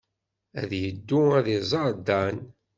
Ad yeddu ad iẓer Dan.